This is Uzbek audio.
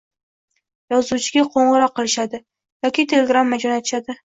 Yozuvchiga qoʻngʻiroq qilishadi yoki telegramma joʻnatishadi